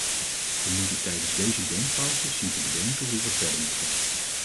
We moeten tijdens deze denkpauze zien te bedenken hoe we verder moeten.